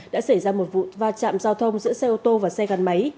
đã xảy ra một vụ va chạm giao thông giữa xe ô tô và xe gắn máy